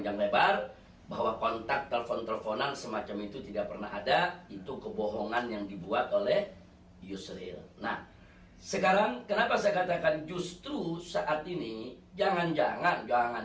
pertama yang saya mau tegaskan bahwa kalimat